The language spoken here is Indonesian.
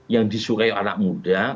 yang disukai anak muda